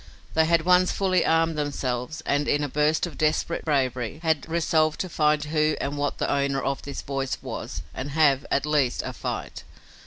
They had once fully armed themselves and, in a burst of desperate bravery, had resolved to find who and what the owner of this voice was and have, at least, a fight.